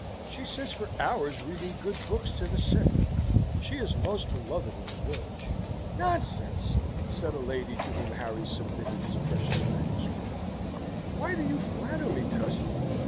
She sits for hours reading good books to the sick: she is most beloved in the village." "Nonsense!" said a lady to whom Harry submitted his precious manuscript. "Why do you flatter me, cousin?"